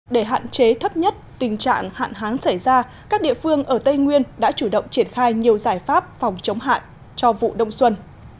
để hạn chế thấp nhất tình trạng hạn hán xảy ra các địa phương ở tây nguyên đã chủ động triển khai nhiều giải pháp phòng chống hạn cho vụ đông xuân